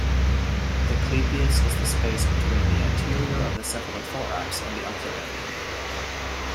The clypeus is the space between the anterior of the cephalothorax and the ocularium.